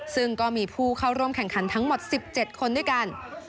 ซึ่งก็มีผู้เข้าร่วมแข่งขันทั้งหมด๑๗คนด้วยกัน